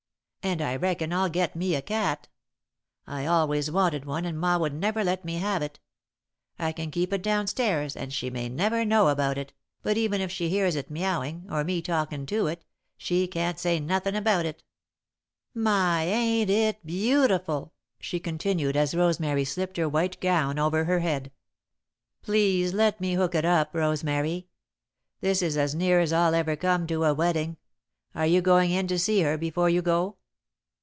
And I reckon I'll get me a cat. I always wanted one and Ma would never let me have it. I can keep it down stairs and she may never know about it, but even if she hears it meowing, or me talkin' to it, she can't say nothin' about it. "My, ain't it beautiful!" she continued, as Rosemary slipped her white gown over her head. "Please let me hook it up, Rosemary this is as near as I'll ever come to a wedding. Are you going in to see her before you go?"